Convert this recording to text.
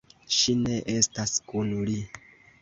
Ŝi ne estas kun li.